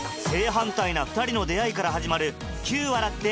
反対な２人の出会いから始まる９笑って